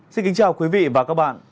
xin kính chào quý vị và các bạn